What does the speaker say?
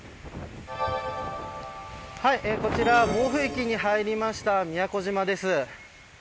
はい、こちら暴風域に入りました宮古島です。